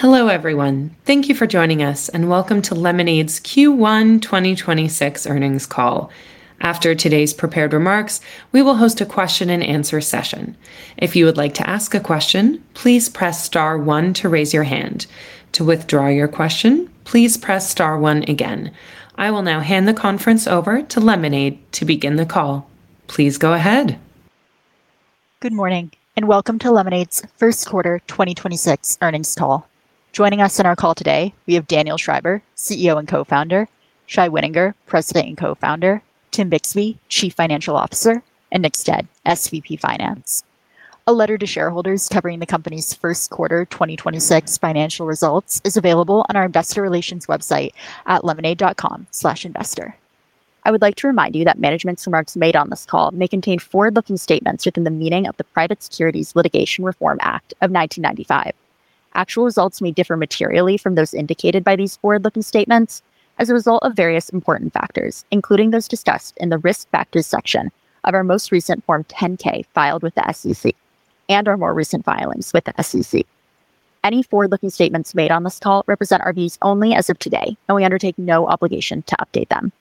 Hello, everyone. Thank you for joining us and Welcome to Lemonade's Q1 2026 Earnings Call. After today's prepared remarks, we will host a question and answer session. If you would like to ask a question, please press star one to raise your hand. To withdraw your question, please press star one again. I will now hand the conference over to Lemonade to begin the call. Please go ahead. Good morning, and Welcome to Lemonade's First Quarter 2026 Earnings Call. Joining us on our call today we have Daniel Schreiber, CEO and co-founder, Shai Wininger, President and co-founder, Tim Bixby, Chief Financial Officer, and Nick Stead, SVP of Finance. A letter to shareholders covering the company's first quarter 2026 financial results is available on our investor relations website at lemonade.com/investor. I would like to remind you that management's remarks made on this call may contain forward-looking statements within the meaning of the Private Securities Litigation Reform Act of 1995. Actual results may differ materially from those indicated by these forward-looking statements as a result of various important factors, including those discussed in the Risk Factors section of our most recent Form 10-K filed with the SEC and our more recent filings with the SEC. Any forward-looking statements made on this call represent our views only as of today, and we undertake no obligation to update them.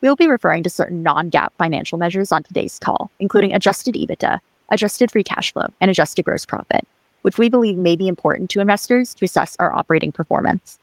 We will be referring to certain non-GAAP financial measures on today's call, including adjusted EBITDA, adjusted free cash flow, and adjusted gross profit, which we believe may be important to investors to assess our operating performance.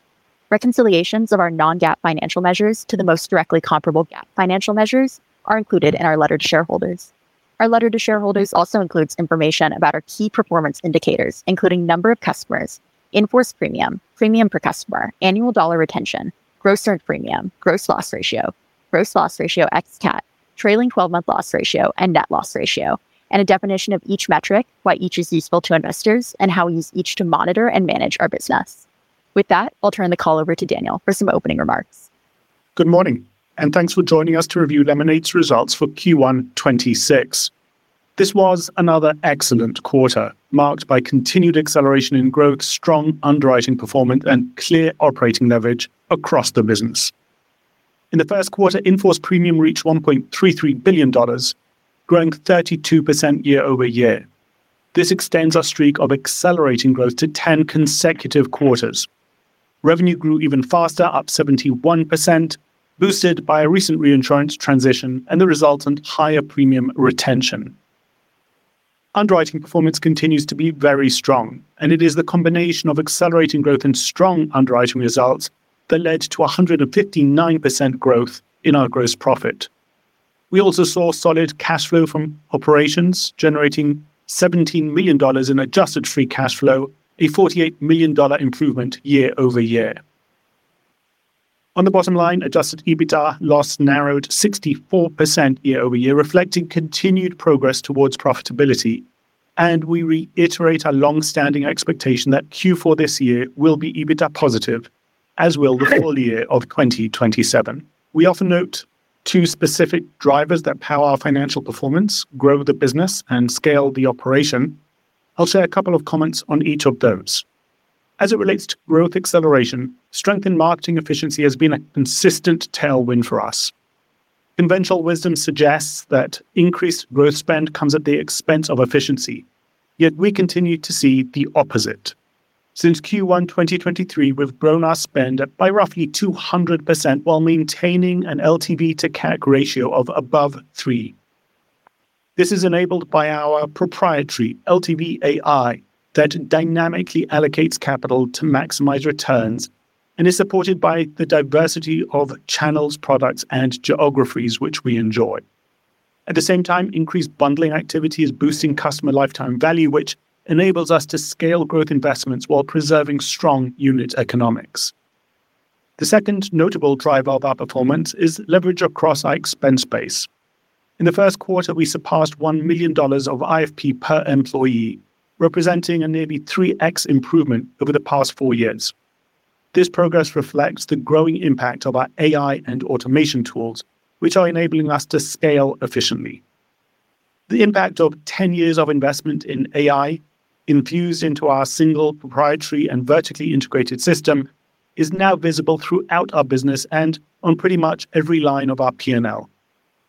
Reconciliations of our non-GAAP financial measures to the most directly comparable GAAP financial measures are included in our letter to shareholders. Our letter to shareholders also includes information about our key performance indicators, including number of customers, in-force premium per customer, annual dollar retention, gross earned premium, gross loss ratio, gross loss ratio ex-CAT, trailing 12-month loss ratio and net loss ratio, and a definition of each metric, why each is useful to investors and how we use each to monitor and manage our business. With that, I'll turn the call over to Daniel for some opening remarks. Good morning, thanks for joining us to review Lemonade's results for Q1 2026. This was another excellent quarter, marked by continued acceleration in growth, strong underwriting performance and clear operating leverage across the business. In the first quarter, in-force premium reached $1.33 billion, growing 32% year-over-year. This extends our streak of accelerating growth to 10 consecutive quarters. Revenue grew even faster, up 71%, boosted by a recent reinsurance transition and the resultant higher premium retention. Underwriting performance continues to be very strong, it is the combination of accelerating growth and strong underwriting results that led to 159% growth in our gross profit. We also saw solid cash flow from operations generating $17 million in adjusted free cash flow, a $48 million improvement year-over-year. On the bottom line, adjusted EBITDA loss narrowed 64% year-over-year, reflecting continued progress towards profitability. We reiterate our long-standing expectation that Q4 this year will be EBITDA positive, as will the full year of 2027. We often note two specific drivers that power our financial performance, grow the business and scale the operation. I'll share a couple of comments on each of those. As it relates to growth acceleration, strength in marketing efficiency has been a consistent tailwind for us. Conventional wisdom suggests that increased growth spend comes at the expense of efficiency, yet we continue to see the opposite. Since Q1 2023, we've grown our spend by roughly 200% while maintaining an LTV to CAC ratio of above 3x. This is enabled by our proprietary LTV AI that dynamically allocates capital to maximize returns and is supported by the diversity of channels, products and geographies which we enjoy. At the same time, increased bundling activity is boosting customer lifetime value, which enables us to scale growth investments while preserving strong unit economics. The second notable driver of our performance is leverage across our expense base. In the first quarter, we surpassed $1 million of IFP per employee, representing a nearly 3x improvement over the past four years. This progress reflects the growing impact of our AI and automation tools, which are enabling us to scale efficiently. The impact of 10 years of investment in AI infused into our single proprietary and vertically integrated system is now visible throughout our business and on pretty much every line of our PNL.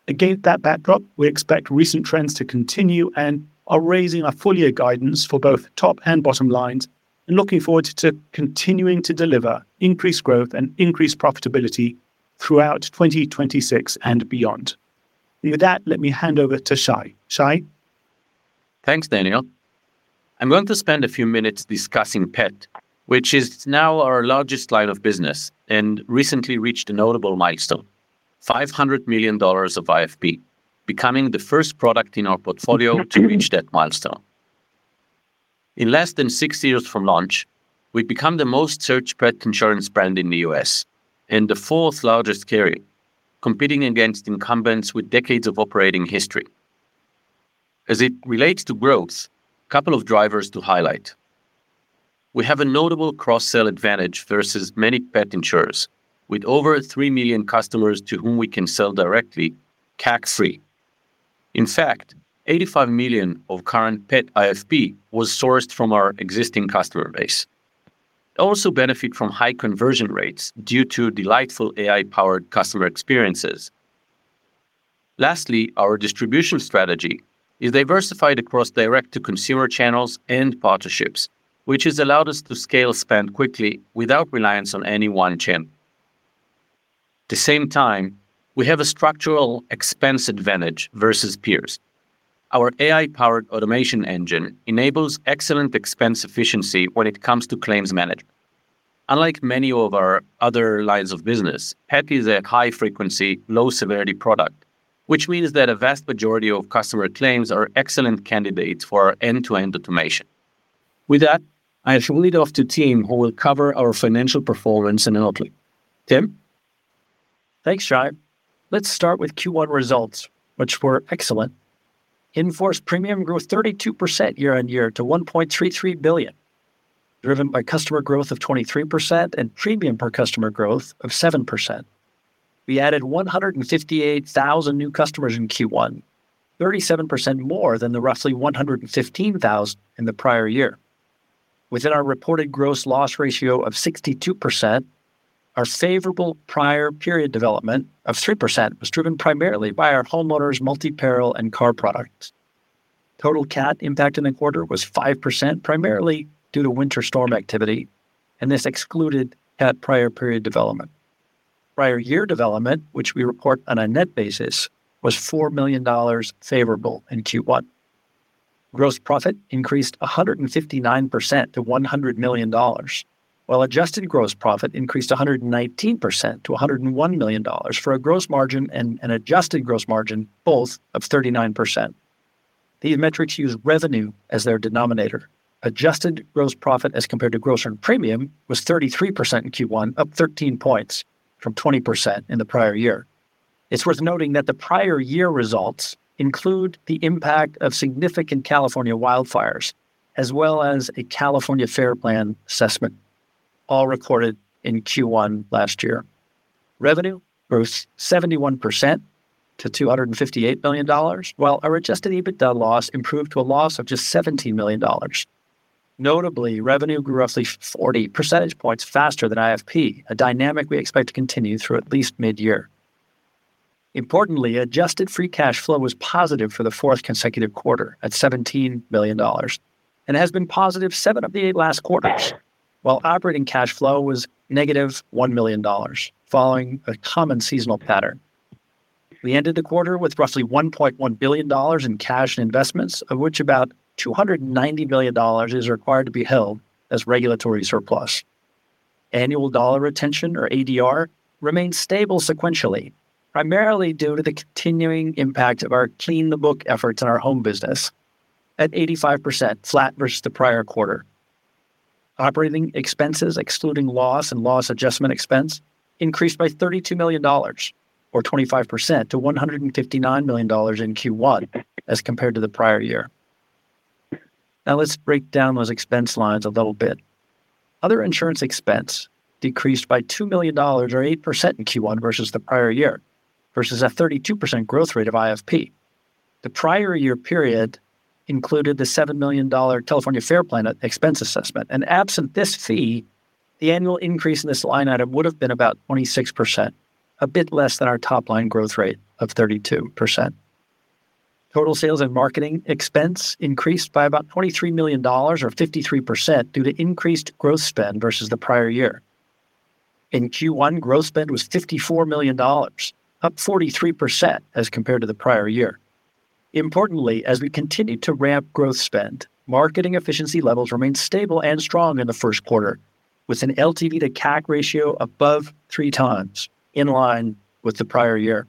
Against that backdrop, we expect recent trends to continue and are raising our full year guidance for both top and bottom lines and looking forward to continuing to deliver increased growth and increased profitability throughout 2026 and beyond. With that, let me hand over to Shai. Shai? Thanks, Daniel. I'm going to spend a few minutes discussing pet, which is now our largest line of business and recently reached a notable milestone, $500 million of IFP, becoming the first product in our portfolio to reach that milestone. In less than six years from launch, we've become the most searched pet insurance brand in the U.S. and the fourth largest carrier, competing against incumbents with decades of operating history. As it relates to growth, a couple of drivers to highlight. We have a notable cross-sell advantage versus many pet insurers with over 3 million customers to whom we can sell directly, CAC free. In fact, $85 million of current pet IFP was sourced from our existing customer base. Also benefit from high conversion rates due to delightful AI-powered customer experiences. Lastly, our distribution strategy is diversified across direct to consumer channels and partnerships, which has allowed us to scale spend quickly without reliance on any one channel. At the same time, we have a structural expense advantage versus peers. Our AI-powered automation engine enables excellent expense efficiency when it comes to claims management. Unlike many of our other lines of business, pet is a high frequency, low severity product, which means that a vast majority of customer claims are excellent candidates for our end-to-end automation. With that, I shall lead off to Tim who will cover our financial performance and outlook. Tim. Thanks, Shai. Let's start with Q1 results, which were excellent. In-force premium growth 32% year-on-year to $1.33 billion, driven by customer growth of 23% and premium per customer growth of 7%. We added 158,000 new customers in Q1, 37% more than the roughly 115,000 in the prior year. Within our reported gross loss ratio of 62%, our favorable prior period development of 3% was driven primarily by our homeowners multi-peril and car products. Total CAT impact in the quarter was 5%, primarily due to winter storm activity, and this excluded CAT prior period development. Prior year development, which we report on a net basis, was $4 million favorable in Q1. Gross profit increased 159% to $100 million, while adjusted gross profit increased 119% to $101 million for a gross margin and an adjusted gross margin both of 39%. These metrics use revenue as their denominator. Adjusted gross profit as compared to gross earned premium was 33% in Q1, up 13 points from 20% in the prior year. It's worth noting that the prior year results include the impact of significant California wildfires as well as a California FAIR Plan assessment, all recorded in Q1 last year. Revenue grew 71% to $258 million, while our adjusted EBITDA loss improved to a loss of just $17 million. Notably, revenue grew roughly 40 percentage points faster than IFP, a dynamic we expect to continue through at least mid-year. Importantly, adjusted free cash flow was positive for the fourth consecutive quarter at $17 million and has been positive seven of the eight last quarters. Operating cash flow was negative $1 million following a common seasonal pattern. We ended the quarter with roughly $1.1 billion in cash and investments, of which about $290 billion is required to be held as regulatory surplus. Annual dollar retention or ADR remains stable sequentially, primarily due to the continuing impact of our clean the book efforts in our home business at 85% flat versus the prior quarter. Operating expenses excluding loss and loss adjustment expense increased by $32 million or 25% to $159 million in Q1 as compared to the prior year. Let's break down those expense lines a little bit. Other insurance expense decreased by $2 million or 8% in Q1 versus the prior year versus a 32% growth rate of IFP. The prior year period included the $7 million California FAIR Plan expense assessment and absent this fee, the annual increase in this line item would have been about 26%, a bit less than our top line growth rate of 32%. Total sales and marketing expense increased by about $23 million or 53% due to increased growth spend versus the prior year. In Q1, growth spend was $54 million, up 43% as compared to the prior year. Importantly, as we continued to ramp growth spend, marketing efficiency levels remained stable and strong in the first quarter with an LTV to CAC ratio above 3x in line with the prior year.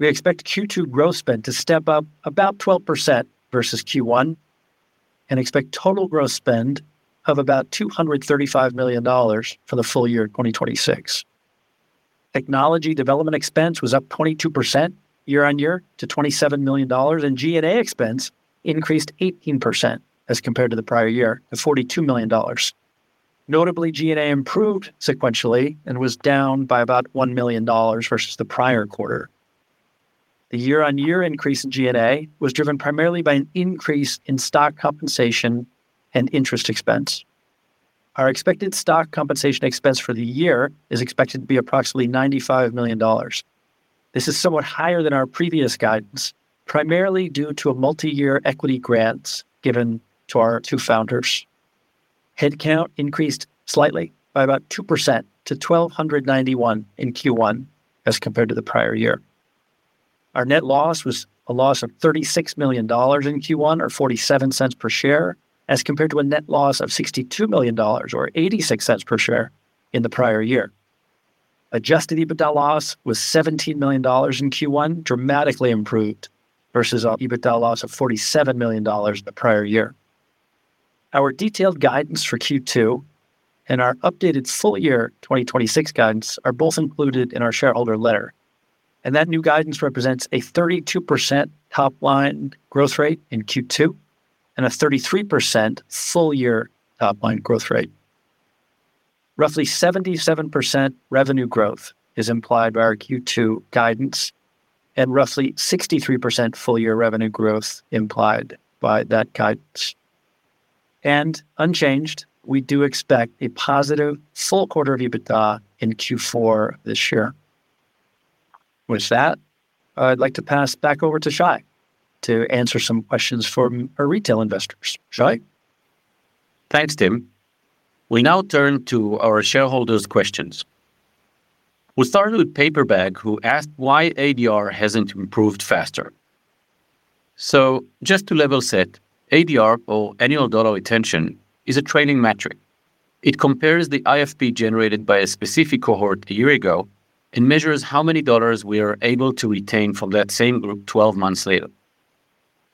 We expect Q2 growth spend to step up about 12% versus Q1 and expect total growth spend of about $235 million for the full year 2026. Technology development expense was up 22% year-on year-to $27 million and G&A expense increased 18% as compared to the prior year of $42 million. Notably, G&A improved sequentially and was down by about $1 million versus the prior quarter. The year on year increase in G&A was driven primarily by an increase in stock compensation and interest expense. Our expected stock compensation expense for the year is expected to be approximately $95 million. This is somewhat higher than our previous guidance, primarily due to a multi-year equity grants given to our two founders. Headcount increased slightly by about 2% to 1,291 in Q1 as compared to the prior year. Our net loss was a loss of $36 million in Q1 or $0.47 per share as compared to a net loss of $62 million or $0.86 per share in the prior year. Adjusted EBITDA loss was $17 million in Q1, dramatically improved versus our EBITDA loss of $47 million in the prior year. Our detailed guidance for Q2 and our updated full year 2026 guidance are both included in our shareholder letter, and that new guidance represents a 32% top line growth rate in Q2 and a 33% full year top line growth rate. Roughly 77% revenue growth is implied by our Q2 guidance and roughly 63% full year revenue growth implied by that guidance. Unchanged, we do expect a positive full quarter of EBITDA in Q4 this year. With that, I'd like to pass back over to Shai to answer some questions from our retail investors. Shai? Thanks, Tim. We now turn to our shareholders' questions. We'll start with Paperbag, who asked why ADR hasn't improved faster. Just to level set, ADR, or annual dollar retention, is a trailing metric. It compares the IFP generated by a specific cohort one year ago and measures how many dollars we are able to retain from that same group 12 months later.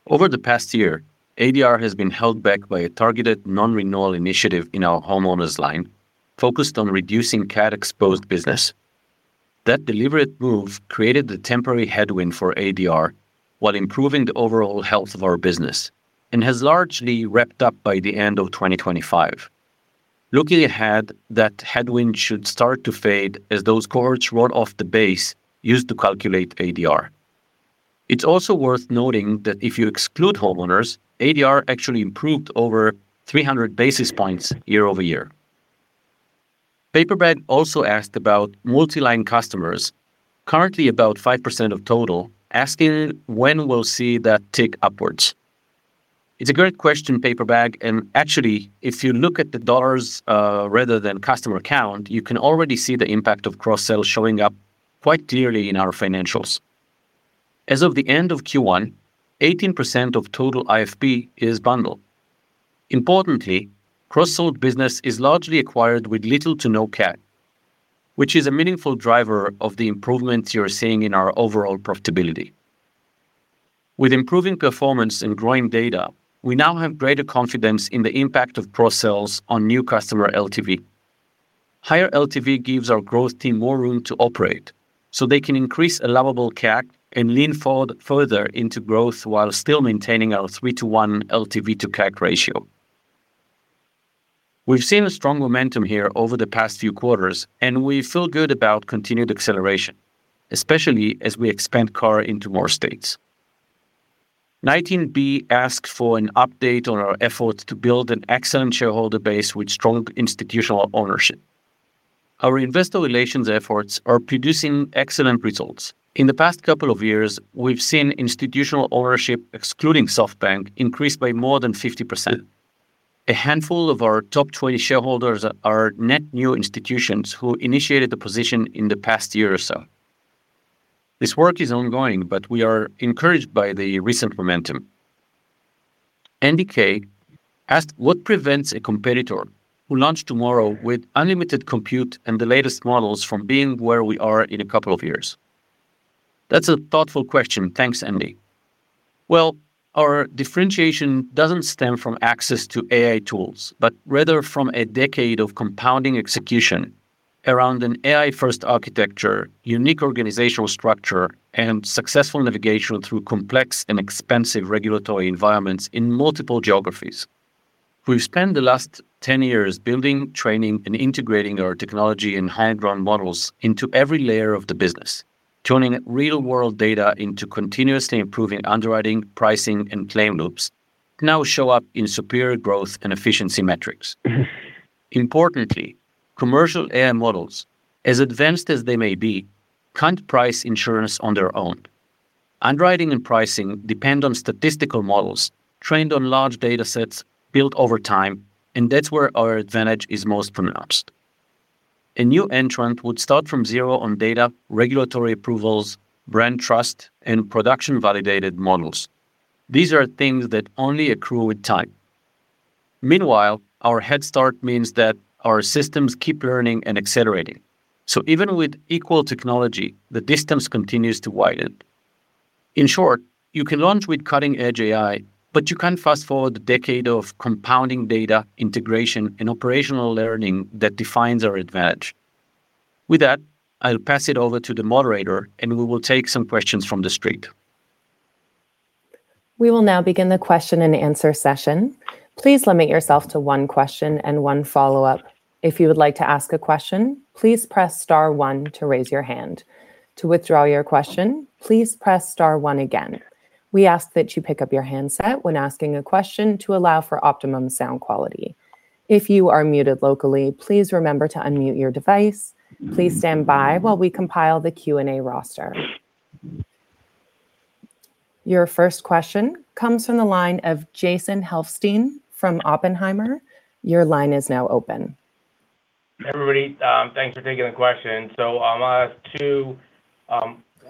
Over the past year, ADR has been held back by a targeted non-renewal initiative in our homeowners line focused on reducing CAT-exposed business. That deliberate move created the temporary headwind for ADR while improving the overall health of our business and has largely wrapped up by the end of 2025. Looking ahead, that headwind should start to fade as those cohorts run off the base used to calculate ADR. It's also worth noting that if you exclude homeowners, ADR actually improved over 300 basis points year-over-year. Paperbag also asked about multi-line customers, currently about 5% of total, asking when we'll see that tick upwards. It's a great question, Paperbag. Actually, if you look at the dollars, rather than customer count, you can already see the impact of cross-sells showing up quite clearly in our financials. As of the end of Q1, 18% of total IFP is bundle. Importantly, cross-sold business is largely acquired with little to no CAC, which is a meaningful driver of the improvements you're seeing in our overall profitability. With improving performance and growing data, we now have greater confidence in the impact of cross-sells on new customer LTV. Higher LTV gives our growth team more room to operate so they can increase allowable CAC and lean forward further into growth while still maintaining our three-to-one LTV to CAC ratio. We've seen a strong momentum here over the past few quarters, and we feel good about continued acceleration, especially as we expand CAR into more states. 19B asked for an update on our efforts to build an excellent shareholder base with strong institutional ownership. Our investor relations efforts are producing excellent results. In the past couple of years, we've seen institutional ownership, excluding SoftBank, increase by more than 50%. A handful of our top 20 shareholders are net new institutions who initiated the position in the past year or so. This work is ongoing. We are encouraged by the recent momentum. Andy K asked: What prevents a competitor who launched tomorrow with unlimited compute and the latest models from being where we are in a couple of years? That's a thoughtful question. Thanks, Andy. Well, our differentiation doesn't stem from access to AI tools, but rather from a decade of compounding execution around an AI-first architecture, unique organizational structure, and successful navigation through complex and expensive regulatory environments in multiple geographies. We've spent the last 10 years building, training, and integrating our technology and high ground models into every layer of the business, turning real-world data into continuously improving underwriting, pricing, and claim loops now show up in superior growth and efficiency metrics. Importantly, commercial AI models, as advanced as they may be, can't price insurance on their own. Underwriting and pricing depend on statistical models trained on large datasets built over time, and that's where our advantage is most pronounced. A new entrant would start from zero on data, regulatory approvals, brand trust, and production-validated models. These are things that only accrue with time. Meanwhile, our head start means that our systems keep learning and accelerating. Even with equal technology, the distance continues to widen. In short, you can launch with cutting-edge AI, but you can't fast-forward the decade of compounding data integration and operational learning that defines our advantage. With that, I'll pass it over to the moderator, and we will take some questions from the street. We will now begin the question and answer session. Please limit yourself to one question and one follow-up. If you would like to ask a question, please press star one to raise your hand. To withdraw your question, please press star one again. We ask that you pick up your handset when asking a question to allow for optimum sound quality. If you are muted locally, please remember to unmute your device. Please stand by while we compile the Q&A roster. Your first question comes from the line of Jason Helfstein from Oppenheimer. Your line is now open. Everybody, thanks for taking the question. I want to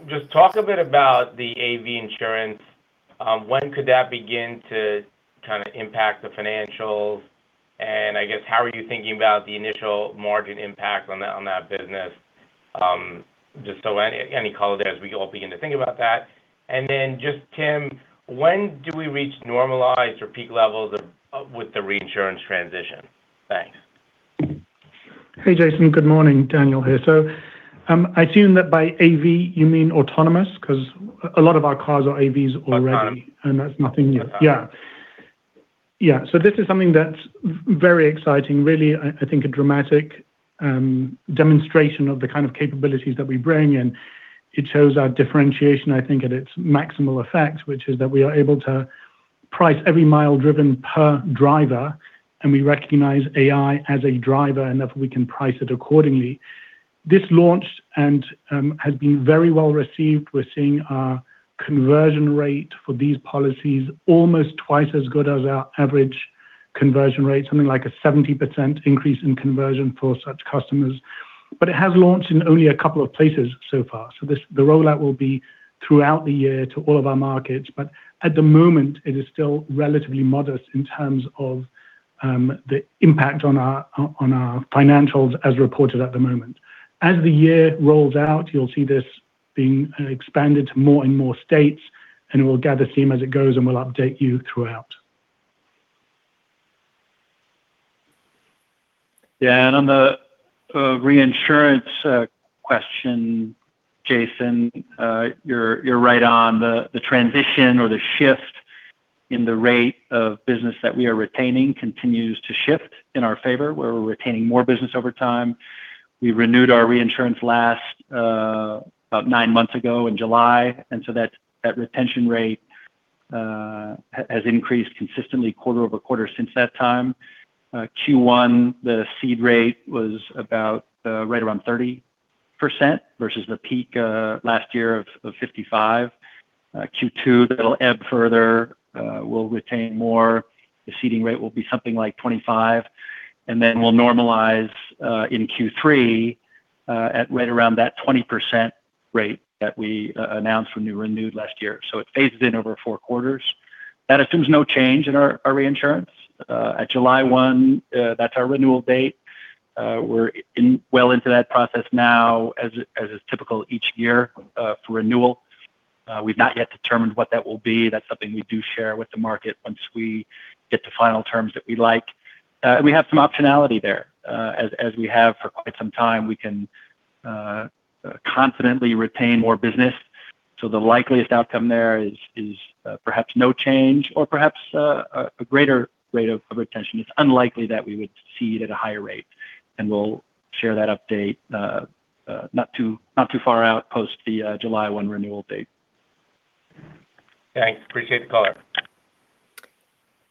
just talk a bit about the car insurance. When could that begin to kind of impact the financials? I guess, how are you thinking about the initial margin impact on that business? Just any color there as we all begin to think about that. Just Tim, when do we reach normalized or peak levels of with the reinsurance transition? Thanks. Hey, Jason, good morning. Daniel here. I assume that by AV you mean autonomous because a lot of our cars are AVs already. Uh-huh. That's nothing new. Uh-huh. Yeah. This is something that's very exciting, really, I think a dramatic demonstration of the kind of capabilities that we bring in. It shows our differentiation, I think, at its maximal effect, which is that we are able to price every mile driven per driver, and we recognize AI as a driver, and therefore we can price it accordingly. This launched and has been very well received. We're seeing our conversion rate for these policies almost twice as good as our average conversion rate, something like a 70% increase in conversion for such customers. It has launched in only two places so far. The rollout will be throughout the year to all of our markets. At the moment, it is still relatively modest in terms of the impact on our, on our financials as reported at the moment. As the year rolls out, you'll see this being expanded to more and more states, and we'll gather steam as it goes, and we'll update you throughout. Yeah. On the reinsurance question, Jason, you're right on the transition or the shift in the rate of business that we are retaining continues to shift in our favor, where we're retaining more business over time. We renewed our reinsurance last about nine months ago in July, that retention rate has increased consistently quarter-over-quarter since that time. Q1, the cede rate was about right around 30% versus the peak last year of 55%. Q2, that'll ebb further. We'll retain more. The ceding rate will be something like 25%, we'll normalize in Q3 at right around that 20% rate that we announced when we renewed last year. It phases in over four quarters. That assumes no change in our reinsurance. At July 1, that's our renewal date. We're well into that process now, as is typical each year for renewal. We've not yet determined what that will be. That's something we do share with the market once we get the final terms that we like. And we have some optionality there, as we have for quite some time. We can confidently retain more business, so the likeliest outcome there is perhaps no change or perhaps a greater rate of retention. It's unlikely that we would cede at a higher rate. And we'll share that update not too far out post the July 1 renewal date. Thanks. Appreciate the color.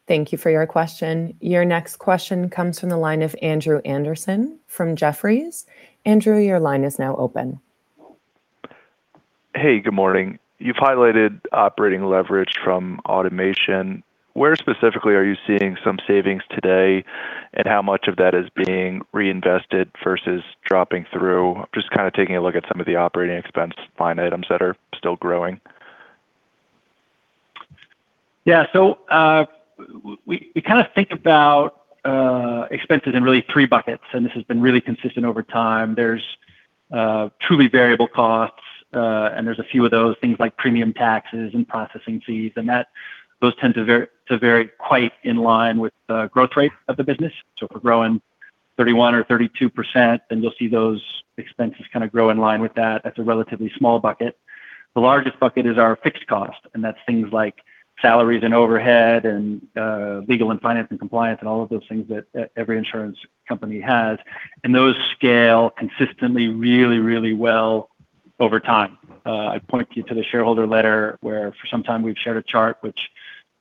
Thank you for your question. Your next question comes from the line of Andrew Andersen from Jefferies. Andrew, your line is now open. Hey, good morning. You've highlighted operating leverage from automation. Where specifically are you seeing some savings today, and how much of that is being reinvested versus dropping through? Just kind of taking a look at some of the operating expense line items that are still growing. We kind of think about expenses in really three buckets, and this has been really consistent over time. There's truly variable costs, and there's a few of those, things like premium taxes and processing fees, and those tend to vary quite in line with the growth rate of the business. If we're growing 31% or 32%, then you'll see those expenses kind of grow in line with that. That's a relatively small bucket. The largest bucket is our fixed cost, and that's things like salaries and overhead and legal and finance and compliance and all of those things that every insurance company has. Those scale consistently really well over time. I point you to the shareholder letter where for some time we've shared a chart which,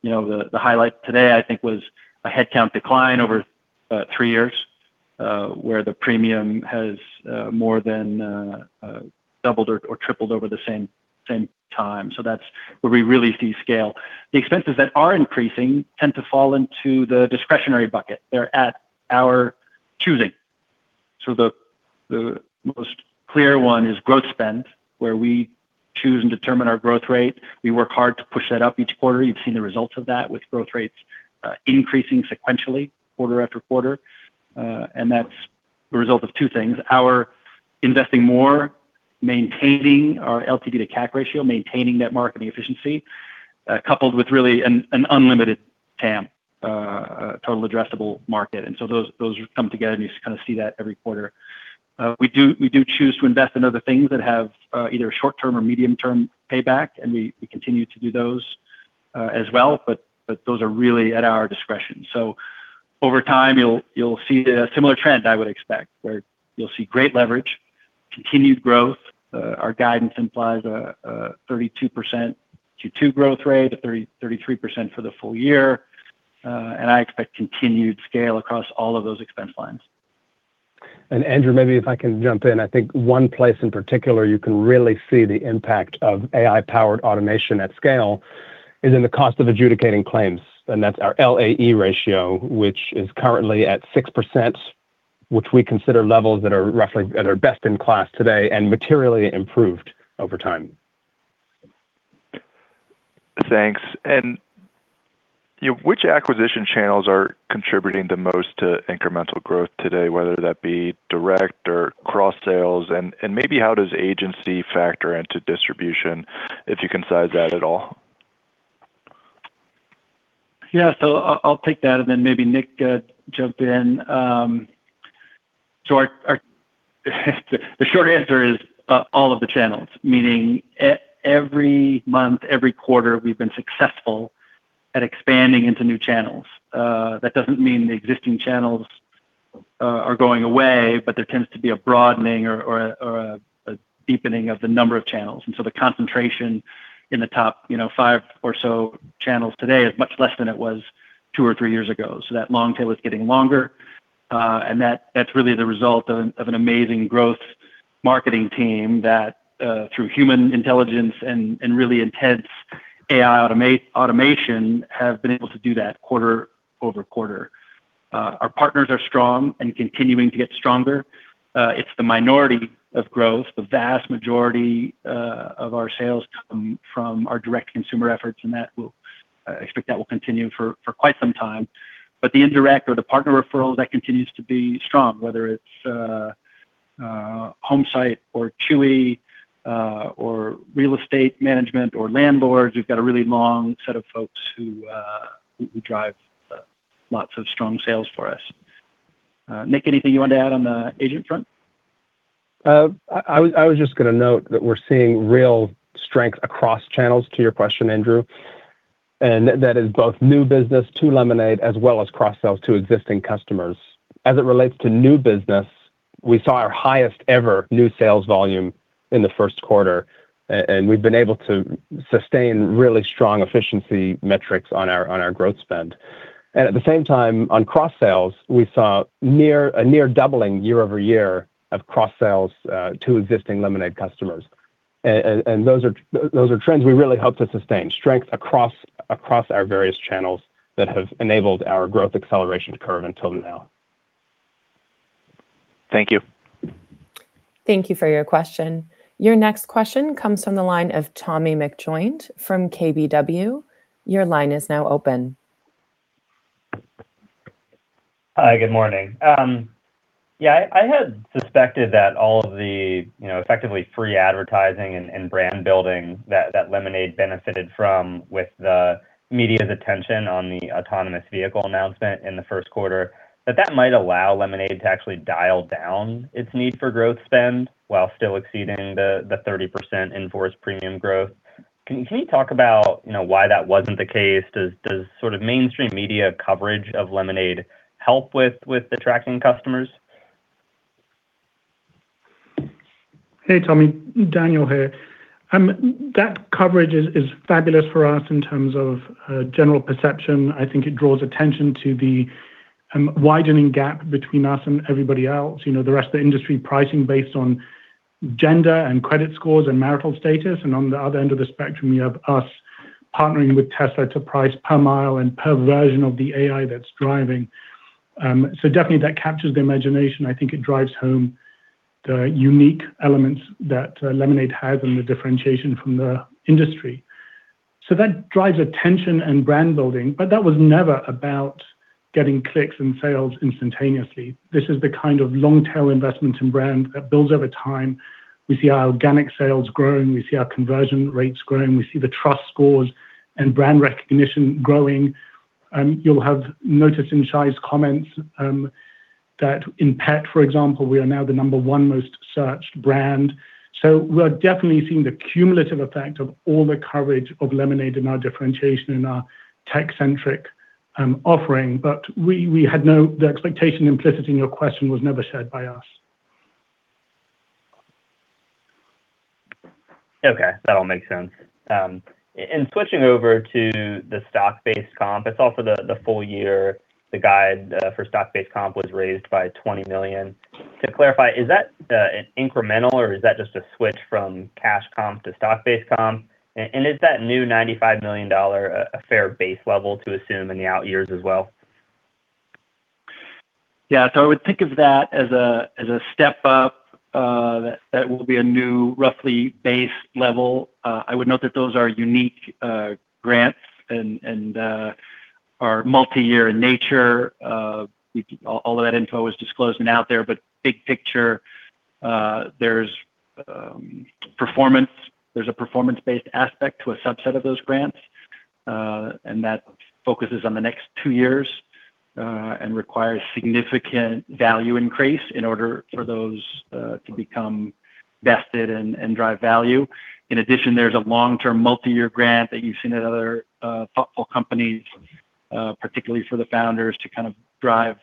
you know, the highlight today I think was a headcount decline over three years, where the premium has more than doubled or tripled over the same time. That's where we really see scale. The expenses that are increasing tend to fall into the discretionary bucket. They're at our choosing. The most clear one is growth spend, where we choose and determine our growth rate. We work hard to push that up each quarter. You've seen the results of that with growth rates increasing sequentially quarter after quarter. That's the result of two things: our investing more, maintaining our LTV to CAC ratio, maintaining that marketing efficiency, coupled with really an unlimited TAM, total addressable market. Those come together, and you kind of see that every quarter. We do choose to invest in other things that have either short-term or medium-term payback, and we continue to do those as well, but those are really at our discretion. Over time, you'll see a similar trend, I would expect, where you'll see great leverage, continued growth. Our guidance implies a 32% Q2 growth rate, a 33% for the full year. I expect continued scale across all of those expense lines. Andrew, maybe if I can jump in. I think one place in particular you can really see the impact of AI-powered automation at scale is in the cost of adjudicating claims, and that's our LAE ratio, which is currently at 6%, which we consider levels that are best in class today and materially improved over time. Thanks. You know, which acquisition channels are contributing the most to incremental growth today, whether that be direct or cross-sales? Maybe how does agency factor into distribution, if you can size that at all? I'll take that and then maybe Nick jump in. The short answer is all of the channels, meaning every month, every quarter, we've been successful at expanding into new channels. That doesn't mean the existing channels are going away, there tends to be a broadening or a deepening of the number of channels. The concentration in the top, you know, five or so channels today is much less than it was two or three years ago. That long tail is getting longer, that's really the result of an amazing growth marketing team that, through human intelligence and really intense AI automation have been able to do that quarter over quarter. Our partners are strong and continuing to get stronger. It's the minority of growth. The vast majority of our sales come from our direct consumer efforts, and that will expect that will continue for quite some time. But the indirect or the partner referrals, that continues to be strong, whether it's Homesite or Chewy, or real estate management or landlords. We've got a really long set of folks who drive lots of strong sales for us. Nick, anything you wanted to add on the agent front? I was just gonna note that we're seeing real strength across channels, to your question, Andrew. That is both new business to Lemonade as well as cross-sales to existing customers. As it relates to new business, we saw our highest ever new sales volume in the first quarter and we've been able to sustain really strong efficiency metrics on our growth spend. At the same time, on cross-sales, we saw a near doubling year over year of cross-sales to existing Lemonade customers. Those are trends we really hope to sustain. Strength across our various channels that have enabled our growth acceleration curve until now. Thank you. Thank you for your question. Your next question comes from the line of Tommy McJoynt-Griffith from KBW. Your line is now open. Hi, good morning. Yeah, I had suspected that all of the, you know, effectively free advertising and brand building that Lemonade benefited from with the media's attention on the autonomous vehicle announcement in the first quarter, that might allow Lemonade to actually dial down its need for growth spend while still exceeding the 30% in force premium growth. Can you talk about, you know, why that wasn't the case? Does sort of mainstream media coverage of Lemonade help with attracting customers? Hey, Tommy. Daniel here. That coverage is fabulous for us in terms of general perception. I think it draws attention to the widening gap between us and everybody else. You know, the rest of the industry pricing based on gender and credit scores and marital status, and on the other end of the spectrum, you have us partnering with Tesla to price per mile and per version of the AI that's driving. Definitely that captures the imagination. I think it drives home the unique elements that Lemonade has and the differentiation from the industry. That drives attention and brand building. That was never about getting clicks and sales instantaneously. This is the kind of long tail investment in brand that builds over time. We see our organic sales growing, we see our conversion rates growing, we see the trust scores and brand recognition growing. You'll have noticed in Shai's comments, that in PET, for example, we are now the number one most searched brand. We're definitely seeing the cumulative effect of all the coverage of Lemonade in our differentiation in our tech-centric, offering. We, we had the expectation implicit in your question was never shared by us. Okay. That all makes sense. Switching over to the stock-based comp, I saw for the full year, the guide, for stock-based comp was raised by $20 million. To clarify, is that an incremental or is that just a switch from cash comp to stock-based comp? Is that new $95 million a fair base level to assume in the out years as well? Yeah. I would think of that as a step up, that will be a new roughly base level. I would note that those are unique grants and are multi-year in nature. All of that info is disclosed and out there. Big picture, there's a performance-based aspect to a subset of those grants, and that focuses on the next two years, and requires significant value increase in order for those to become vested and drive value. In addition, there's a long-term multi-year grant that you've seen at other thoughtful companies, particularly for the founders to kind of drive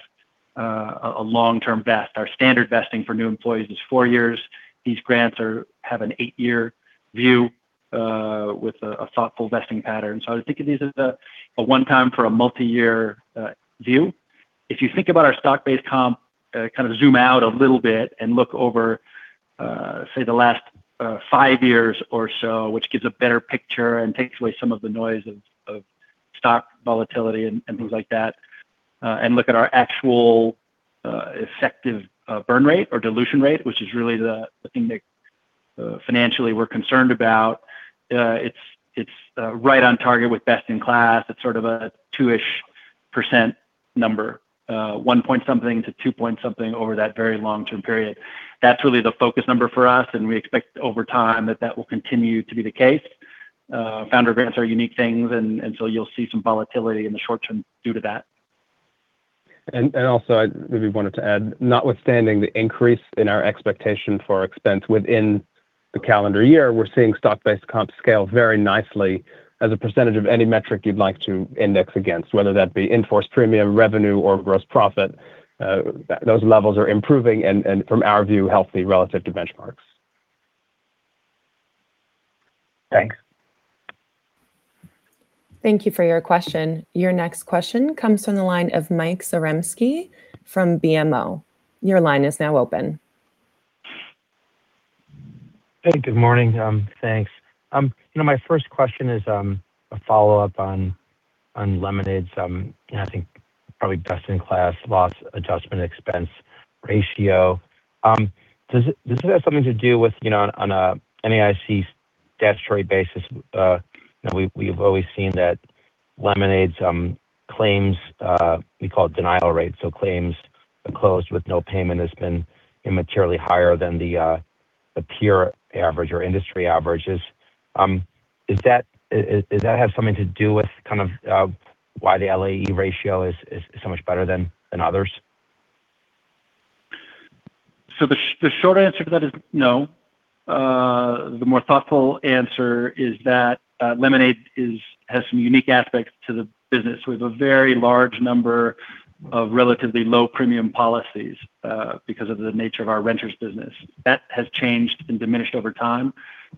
a long-term vest. Our standard vesting for new employees is four years. These grants have an eight-year view, with a thoughtful vesting pattern. I would think of these as a one-time for a multi-year view. If you think about our stock-based comp, kind of zoom out a little bit and look over say the last five years or so, which gives a better picture and takes away some of the noise of stock volatility and things like that, and look at our actual effective burn rate or dilution rate, which is really the thing that financially we're concerned about, it's right on target with best in class. It's sort of a 2-ish% number. One point something to two point something over that very long-term period. That's really the focus number for us, and we expect over time that that will continue to be the case. Founder grants are unique things and so you'll see some volatility in the short term due to that. Also I maybe wanted to add, notwithstanding the increase in our expectation for expense within the calendar year, we're seeing stock-based comp scale very nicely as a percentage of any metric you'd like to index against, whether that be in-force premium revenue or gross profit. Those levels are improving and from our view, healthy relative to benchmarks. Thanks. Thank you for your question. Your next question comes from the line of Mike Zaremski from BMO. Your line is now open. Hey, good morning. Thanks. You know, my first question is, a follow-up on Lemonade's, I think probably best-in-class loss adjustment expense ratio. Does it have something to do with, you know, on a NAIC statutory basis, you know, we've always seen that Lemonade's claims, we call it denial rates, so claims closed with no payment has been immaterially higher than the peer average or industry average. Is, does that have something to do with kind of, why the LAE ratio is so much better than others? The short answer to that is no. The more thoughtful answer is that Lemonade has some unique aspects to the business. We have a very large number of relatively low premium policies because of the nature of our renters business. That has changed and diminished over time.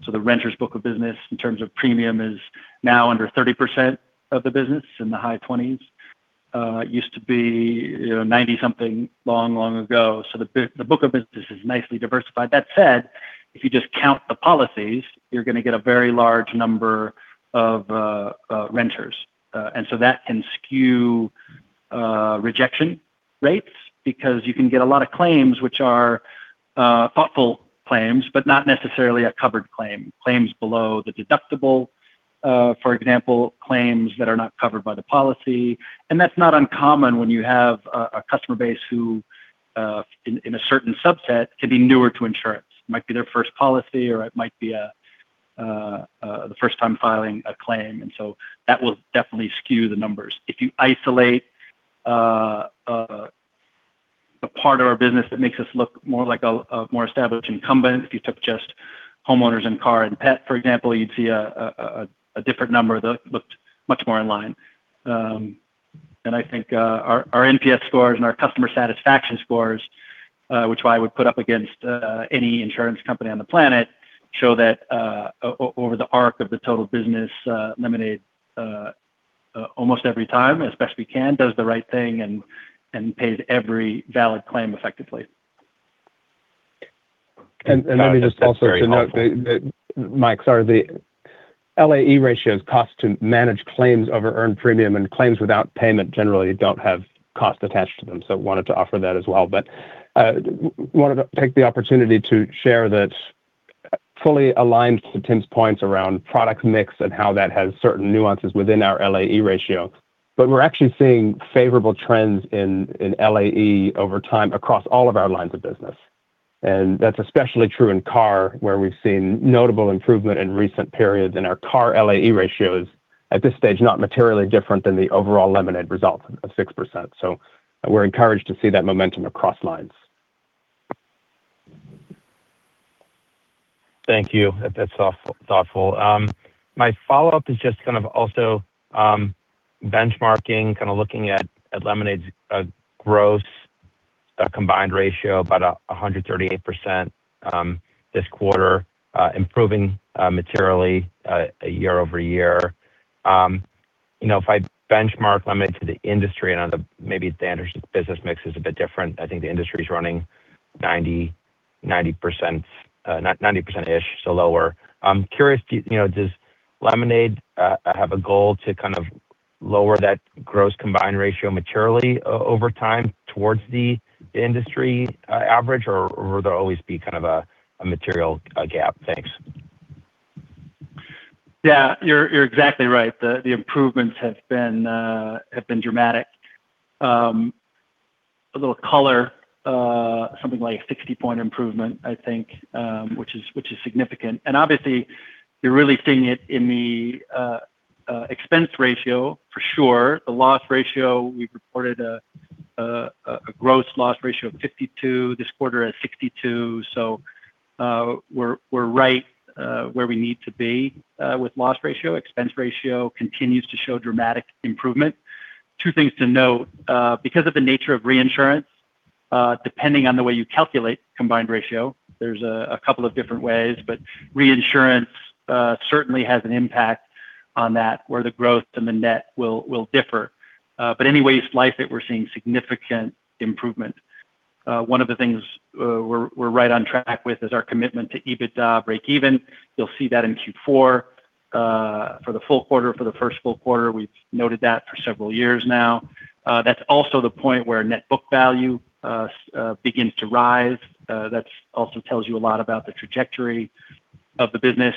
The book of business in terms of premium is now under 30% of the business, in the high 20s. It used to be, you know, 90 something long, long ago. The book of business is nicely diversified. That said, if you just count the policies, you're gonna get a very large number of renters. That can skew rejection rates because you can get a lot of claims which are thoughtful claims, but not necessarily a covered claim. Claims below the deductible, for example, claims that are not covered by the policy. That's not uncommon when you have a customer base who, in a certain subset can be newer to insurance. Might be their first policy, or it might be the first time filing a claim. That will definitely skew the numbers. If you isolate a part of our business that makes us look more like a more established incumbent, if you took just homeowners and car and pet, for example, you'd see a different number that looked much more in line. I think our NPS scores and our customer satisfaction scores, which I would put up against any insurance company on the planet, show that over the arc of the total business, Lemonade almost every time, as best we can, does the right thing and pays every valid claim effectively. Let me just also to note. That's very helpful. Mike, sorry. The LAE ratio is cost to manage claims over earned premium, and claims without payment generally don't have cost attached to them, so wanted to offer that as well. Wanted to take the opportunity to share that fully aligned to Tim's points around product mix and how that has certain nuances within our LAE ratio, but we're actually seeing favorable trends in LAE over time across all of our lines of business. That's especially true in car, where we've seen notable improvement in recent periods, and our car LAE ratio is at this stage not materially different than the overall Lemonade result of 6%. We're encouraged to see that momentum across lines. Thank you. That's thoughtful. My follow-up is just kind of also benchmarking, kind of looking at Lemonade's gross combined ratio, about 138% this quarter, improving materially year-over-year. You know, if I benchmark Lemonade to the industry and maybe the industry business mix is a bit different. I think the industry is running 90%, 90%-ish, so lower. I'm curious, you know, does Lemonade have a goal to kind of lower that gross combined ratio materially over time towards the industry average, or will there always be kind of a material gap? Thanks. Yeah, you're exactly right. The improvements have been dramatic. A little color, something like a 60-point improvement, I think, which is significant. Obviously, you're really seeing it in the expense ratio for sure. The loss ratio, we've reported a gross loss ratio of 52%, this quarter at 62%. We're right where we need to be with loss ratio. Expense ratio continues to show dramatic improvement. Two things to note. Because of the nature of reinsurance, depending on the way you calculate combined ratio, there's a couple of different ways, reinsurance certainly has an impact on that, where the growth and the net will differ. Any way you slice it, we're seeing significant improvement. One of the things we're right on track with is our commitment to EBITDA breakeven. You'll see that in Q4, for the full quarter, for the first full quarter. We've noted that for several years now. That's also the point where net book value begins to rise. That also tells you a lot about the trajectory of the business.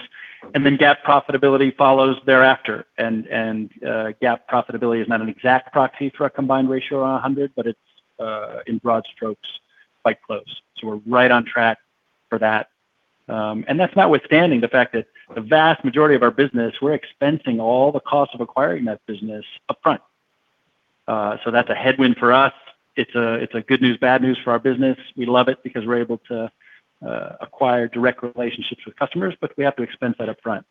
GAAP profitability follows thereafter. GAAP profitability is not an exact proxy for a combined ratio on a hundred, but it's in broad strokes, quite close. We're right on track for that. That's notwithstanding the fact that the vast majority of our business, we're expensing all the cost of acquiring that business upfront. That's a headwind for us. It's a good news, bad news for our business. We love it because we're able to acquire direct relationships with customers, but we have to expense that up front.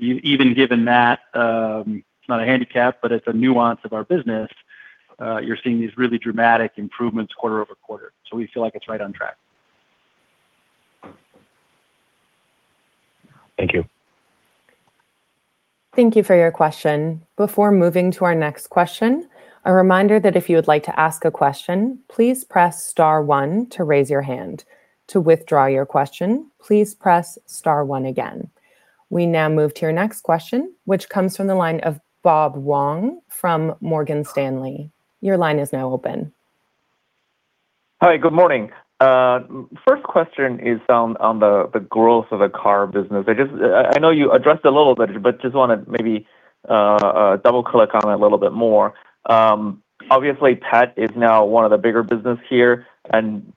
Even given that, it's not a handicap, but it's a nuance of our business, you're seeing these really dramatic improvements quarter-over-quarter. We feel like it's right on track. Thank you. Thank you for your question. Before moving to our next question, a reminder that if you would like to ask a question, please press star one to raise your hand. To withdraw your question, please press star one again. We now move to your next question, which comes from the line of Bob Huang from Morgan Stanley. Your line is now open. Hi, good morning. First question is on the growth of the car business. I just, I know you addressed it a little bit, but just wanna maybe double-click on it a little bit more. Obviously pet is now one of the bigger business here, and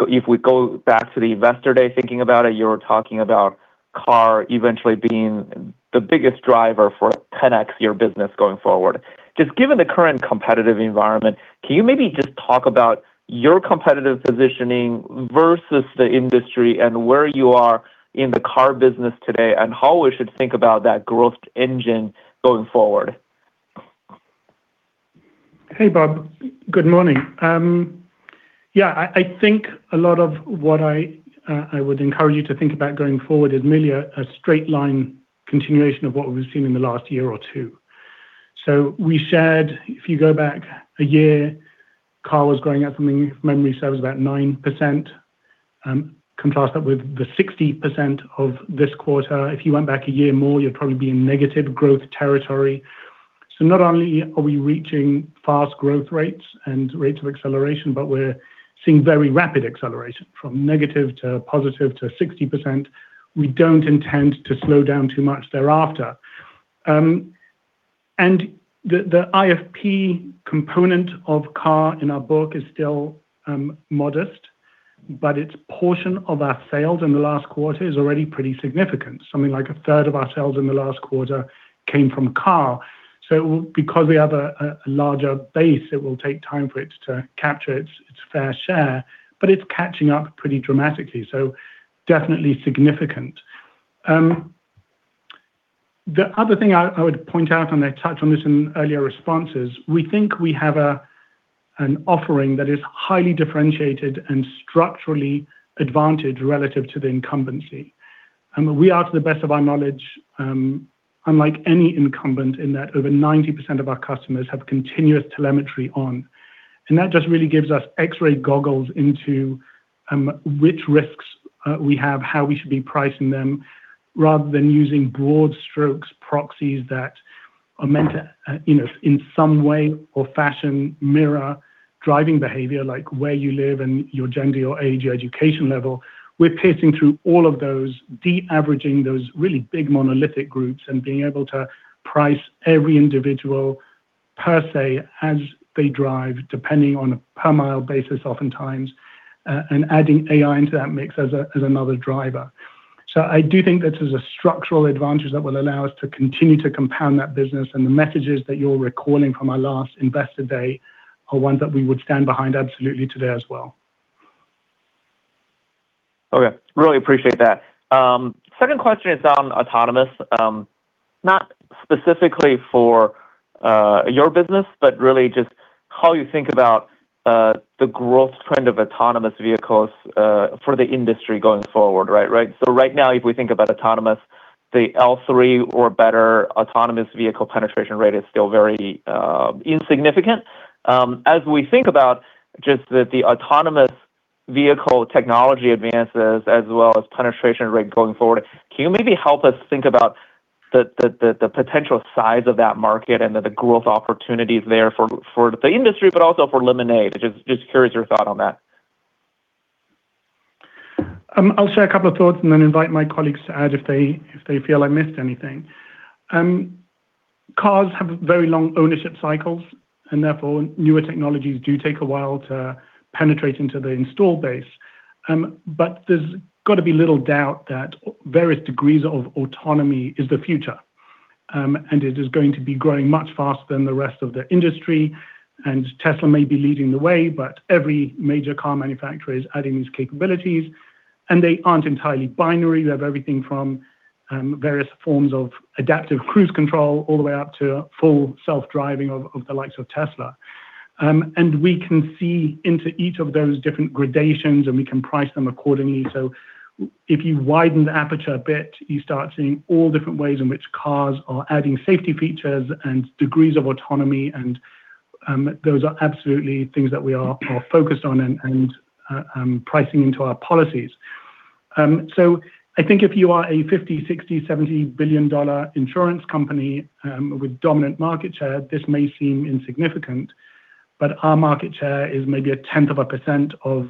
if we go back to the Investor Day thinking about it, you were talking about car eventually being the biggest driver for 10x your business going forward. Just given the current competitive environment, can you maybe just talk about your competitive positioning versus the industry and where you are in the car business today, and how we should think about that growth engine going forward? Hey, Bob. Good morning. Yeah, I think a lot of what I would encourage you to think about going forward is merely a straight line continuation of what we've seen in the last year or two. We said if you go back a year, car was growing at, from memory, so it was about 9%, contrast that with the 60% of this quarter. If you went back a year more, you'd probably be in negative growth territory. Not only are we reaching fast growth rates and rates of acceleration, but we're seeing very rapid acceleration from negative to positive to 60%. We don't intend to slow down too much thereafter. And the IFP component of car in our book is still modest, but its portion of our sales in the last quarter is already pretty significant. Something like a third of our sales in the last quarter came from car. Because we have a larger base, it will take time for it to capture its fair share, but it's catching up pretty dramatically. Definitely significant. The other thing I would point out, and I touched on this in earlier responses, we think we have an offering that is highly differentiated and structurally advantaged relative to the incumbency. We are, to the best of our knowledge, unlike any incumbent in that over 90% of our customers have continuous telemetry on. That just really gives us X-ray goggles into which risks we have, how we should be pricing them, rather than using broad strokes proxies that are meant to, you know, in some way or fashion mirror driving behavior like where you live and your gender, your age, your education level. We're piercing through all of those de-averaging those really big monolithic groups and being able to price every individual per se as they drive, depending on a per mile basis oftentimes, and adding AI into that mix as a, as another driver. I do think this is a structural advantage that will allow us to continue to compound that business, and the messages that you're recalling from our last Investor Day are ones that we would stand behind absolutely today as well. Really appreciate that. Second question is on autonomous. Not specifically for your business, but really just how you think about the growth trend of autonomous vehicles for the industry going forward, right? Right now, if we think about autonomous, the L3 or better autonomous vehicle penetration rate is still very insignificant. As we think about just the autonomous vehicle technology advances as well as penetration rate going forward, can you maybe help us think about the potential size of that market and the growth opportunities there for the industry but also for Lemonade? Just curious your thought on that. I'll share a couple of thoughts and then invite my colleagues to add if they, if they feel I missed anything. Cars have very long ownership cycles, and therefore newer technologies do take a while to penetrate into the install base. There's got to be little doubt that various degrees of autonomy is the future. It is going to be growing much faster than the rest of the industry. Tesla may be leading the way, but every major car manufacturer is adding these capabilities, and they aren't entirely binary. We have everything from various forms of adaptive cruise control all the way up to full self-driving of the likes of Tesla. We can see into each of those different gradations, and we can price them accordingly. If you widen the aperture a bit, you start seeing all different ways in which cars are adding safety features and degrees of autonomy and those are absolutely things that we are focused on and pricing into our policies. I think if you are a $50 billion, $60 billion, $70 billion insurance company with dominant market share, this may seem insignificant, but our market share is maybe a 10th of a percent of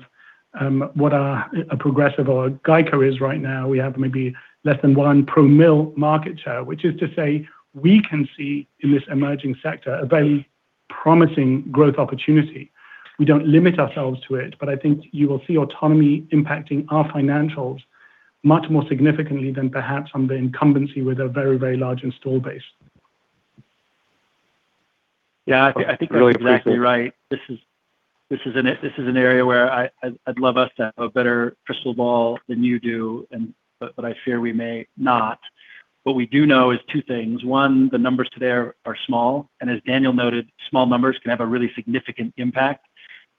what a Progressive or a GEICO is right now. We have maybe less than 1 per mil market share, which is to say we can see in this emerging sector a very promising growth opportunity. We don't limit ourselves to it, but I think you will see autonomy impacting our financials much more significantly than perhaps on the incumbency with a very, very large install base. Yeah, I think that's exactly right. This is an area where I'd love us to have a better crystal ball than you do but I fear we may not. What we do know is two things. One, the numbers there are small, and as Daniel noted, small numbers can have a really significant impact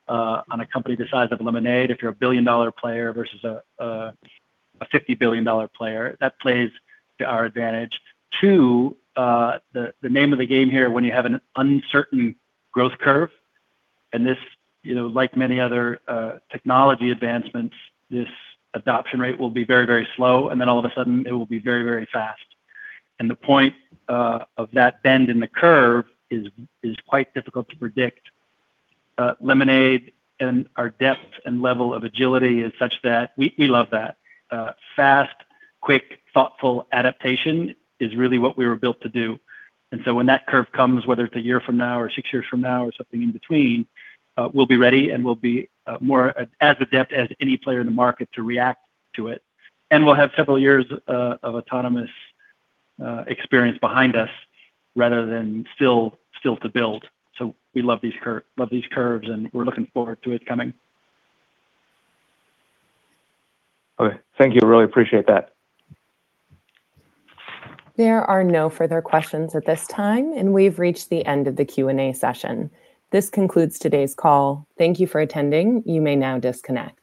on a company the size of Lemonade. If you're a billion-dollar player versus a $50 billion player, that plays to our advantage. Two, the name of the game here when you have an uncertain growth curve. This, you know, like many other technology advancements, this adoption rate will be very slow, and then all of a sudden it will be very fast. The point of that bend in the curve is quite difficult to predict. Lemonade and our depth and level of agility is such that we love that. Fast, quick, thoughtful adaptation is really what we were built to do. When that curve comes, whether it's one year from now or six years from now or something in between, we'll be ready and we'll be more as adept as any player in the market to react to it. We'll have several years of autonomous experience behind us rather than still to build. We love these curves, and we're looking forward to it coming. Okay. Thank you. Really appreciate that. There are no further questions at this time, and we've reached the end of the Q&A session. This concludes today's call. Thank you for attending. You may now disconnect.